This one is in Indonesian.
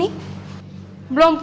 itu kita yang pilih